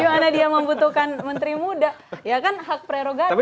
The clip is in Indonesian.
di mana dia membutuhkan menteri muda ya kan hak prerogatif tadi ya